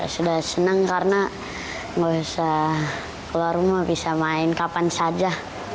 sudah senang karena nggak usah keluar rumah bisa main kapan saja